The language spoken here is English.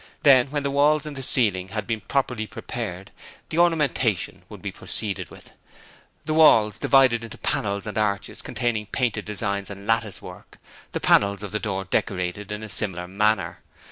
Then, when the walls and the ceiling had been properly prepared, the ornamentation would be proceeded with. The walls, divided into panels and arches containing painted designs and lattice work; the panels of the door decorated in a similar manner.